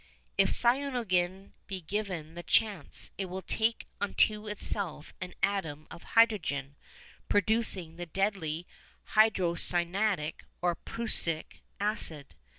If cyanogen be given the chance it will take unto itself an atom of hydrogen, producing the deadly hydrocyanic or prussic acid.